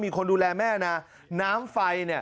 มีคนดูแลแม่นะน้ำไฟ